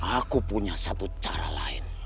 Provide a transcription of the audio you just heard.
aku punya satu cara lain